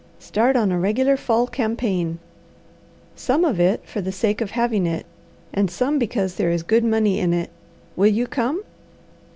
"Start on a regular fall campaign. Some of it for the sake of having it, and some because there is good money in it. Will you come?"